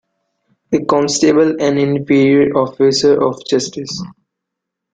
A constable an inferior officer of justice.